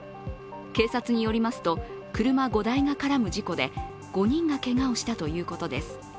警察によりますと、車５台が絡む事故で５人がけがをしたということです。